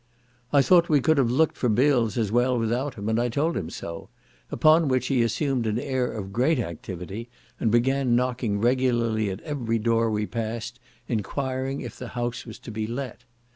I thought we could have looked for bills as well without him, and I told him so; upon which he assumed an air of great activity, and began knocking regularly at every door we passed, enquiring if the house was to be let.